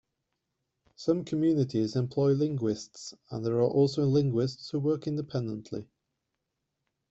Some communities employ linguists, and there are also linguists who work independently.